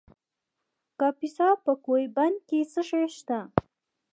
د کاپیسا په کوه بند کې څه شی شته؟